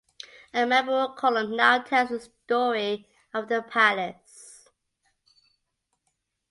A memorial column now tells the story of the palace.